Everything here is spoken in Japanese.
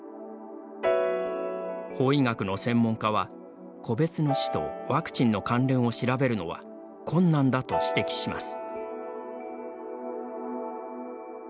法医学の専門家は個別の死とワクチンの関連を調べるのは困難だと指摘します。